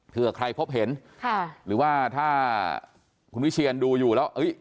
เพื่อใครพบเห็นค่ะหรือว่าถ้าคุณวิเชียนดูอยู่แล้ว